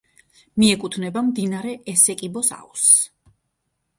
მიეკუთვნება მდინარე ესეკიბოს აუზს.